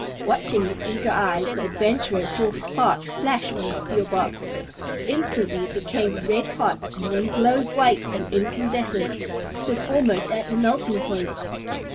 Watching with eager eyes, the adventurers saw sparks flash from the steel box. Instantly it became red hot, and then glowed white and incandescent. It was almost at the melting point.